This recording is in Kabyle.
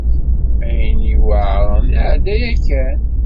Ayen iweɛṛen iɛedda yakan.